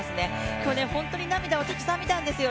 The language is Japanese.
去年本当に涙をたくさん見たんですよ。